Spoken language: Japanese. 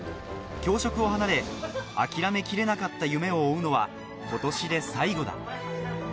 教職を離れ、諦めきれなかった夢を追うのは今年で最後だ。